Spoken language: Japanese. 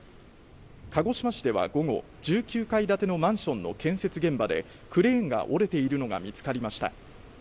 鹿児島市では午後、１９階建てのマンションの建設現場でクレーンが折れているのが見つかりました。